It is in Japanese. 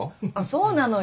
そうなのよ。